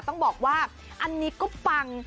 ต้องบอกว่าอันนี้ก็ปัง